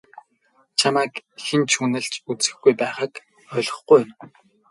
Чамайг хэн ч үнэлж үзэхгүй байгааг даанч ойлгохгүй байна уу?